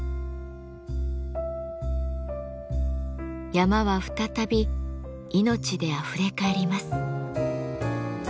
山は再び命であふれかえります。